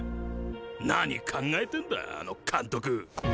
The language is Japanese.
何考えてんだあの監督。